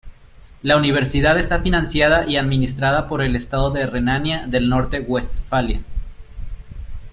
La universidad está financiada y administrada por el estado de Renania del Norte-Westfalia.